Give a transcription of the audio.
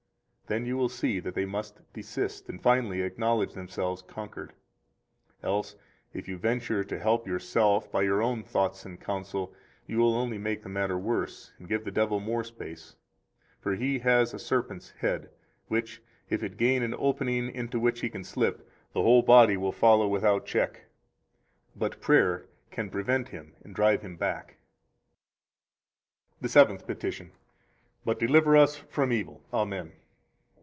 Then you will see that they must desist, and finally acknowledge themselves conquered. 111 Else if you venture to help yourself by your own thoughts and counsel, you will only make the matter worse and give the devil more space. For he has a serpent's head, which if it gain an opening into which he can slip, the whole body will follow without check. But prayer can prevent him and drive him back. The Seventh Petition. 112 But deliver us from evil. Amen.